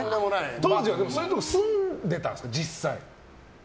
当時はそういうところ住んでたんですか、実際。